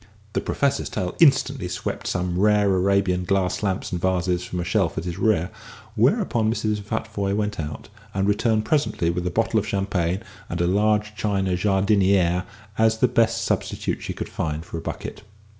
The Professor's tail instantly swept some rare Arabian glass lamps and vases from a shelf at his rear, whereupon Mrs. Futvoye went out, and returned presently with a bottle of champagne and a large china jardinière, as the best substitute she could find for a bucket.